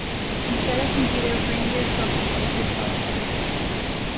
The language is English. Instead of computer bring your cellphone with yourself.